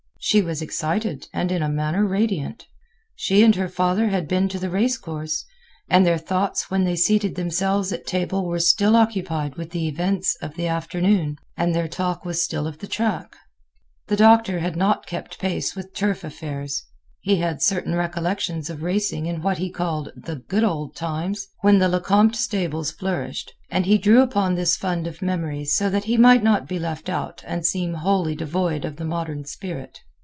She was excited and in a manner radiant. She and her father had been to the race course, and their thoughts when they seated themselves at table were still occupied with the events of the afternoon, and their talk was still of the track. The Doctor had not kept pace with turf affairs. He had certain recollections of racing in what he called "the good old times" when the Lecompte stables flourished, and he drew upon this fund of memories so that he might not be left out and seem wholly devoid of the modern spirit.